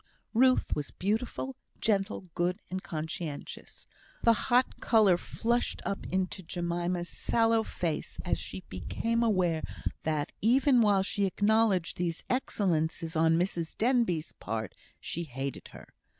Ruth was beautiful, gentle, good, and conscientious. The hot colour flushed up into Jemima's sallow face as she became aware that, even while she acknowledged these excellences on Mrs Denbigh's part, she hated her.